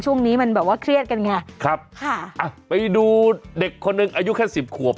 ช่วงนี้มันแบบว่าเครียดกันไงครับค่ะอ่ะไปดูเด็กคนหนึ่งอายุแค่สิบขวบ